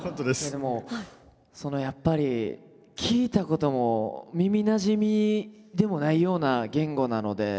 でもそのやっぱり聞いたことも耳なじみでもないような言語なので。